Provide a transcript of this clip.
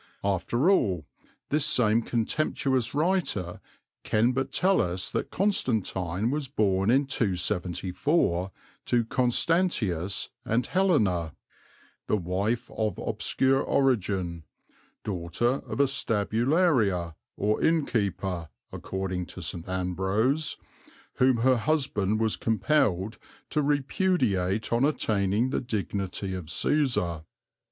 After all, this same contemptuous writer can but tell us that Constantine was born in 274 to Constantius and Helena, "the wife of obscure origin (daughter of a stabularia, or innkeeper, according to St. Ambrose), whom her husband was compelled to repudiate on attaining the dignity of Cæsar."